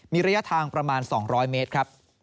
มีระยะทางประมาณ๒๐๐เมตรครับ